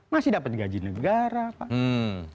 masih dapat gaji negara pak